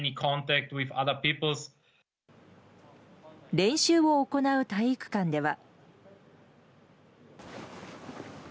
練習を行う体育館では。